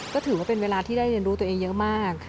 ก็ถือว่าเป็นเวลาที่ได้เรียนรู้ตัวเองเยอะมาก